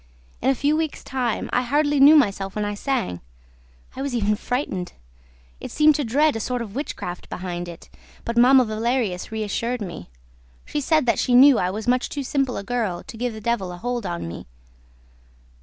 In a few weeks' time, I hardly knew myself when I sang. I was even frightened. I seemed to dread a sort of witchcraft behind it; but Mamma Valerius reassured me. She said that she knew I was much too simple a girl to give the devil a hold on me